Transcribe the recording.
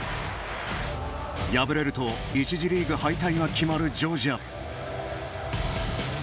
敗れると１次リーグ敗退が決まるジョージア。